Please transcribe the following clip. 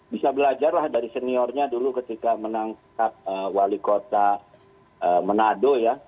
bisa belajar lah dari seniornya dulu ketika menang wali kota manado ya